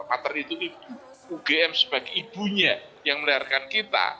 mater itu ugm sebagai ibunya yang melahirkan kita